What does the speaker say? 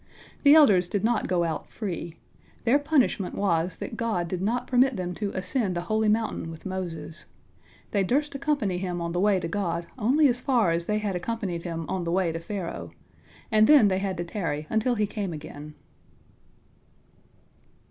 The elders did not go out free. Their punishment was that God did not permit them to ascend the holy mountain with Moses. They durst accompany him on the way to God only as far as they had accompanied him on the way to Pharaoh, and then they had to tarry until he came again.